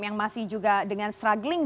yang masih juga dengan struggling